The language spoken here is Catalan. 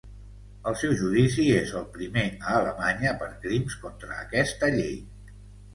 El seu judici és el primer a Alemanya per crims contra aquesta llei.